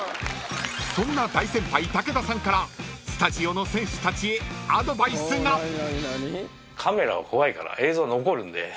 ［そんな大先輩武田さんからスタジオの選手たちへアドバイスが］ハハハハ！